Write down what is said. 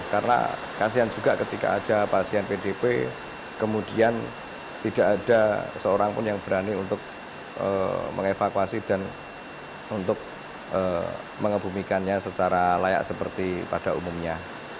karena kasihan juga ketika saja pasien pdb kemudian tidak ada seorang pun yang berani untuk mengevakuasi dan untuk mengebumikannya secara layak seperti pada umumnya